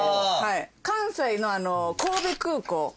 関西の神戸空港。